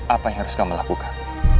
apa yang harus kamu lakukan